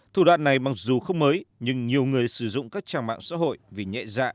thủ đoạn này mặc dù không mới nhưng nhiều người sử dụng các trang mạng xã hội vì nhẹ dạ